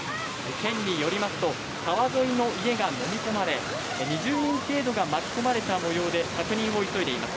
県によりますと、川沿いの家が飲み込まれ、２０人程度が巻き込まれたもようで、確認を急いでいます。